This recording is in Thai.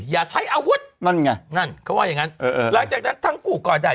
อย่าใช้อาวุธนั่นไงนั่นเขาว่าอย่างงั้นเออหลังจากนั้นทั้งคู่ก่อได้